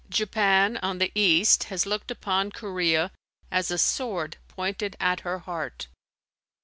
Japan on the east has looked upon Korea as a "sword pointed at her heart."